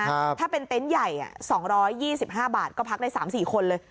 ถ้าเป็นเต็นต์ใหญ่๒๒๕บาทก็พักได้๓๔คนเลย